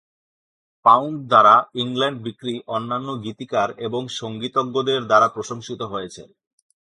Pound দ্বারা England বিক্রি অন্যান্য গীতিকার এবং সংগীতজ্ঞদের দ্বারা প্রশংসিত হয়েছে।